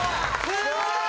すごいわ！